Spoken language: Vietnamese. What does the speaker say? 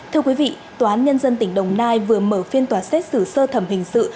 thưa quý vị tòa án nhân dân tỉnh đồng nai vừa mở phiên tòa xét xử sơ thẩm hình sự